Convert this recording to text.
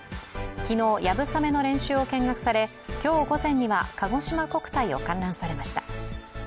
昨日、やぶさめの練習を見学され、今日午前には、かごしま国体を観覧されました。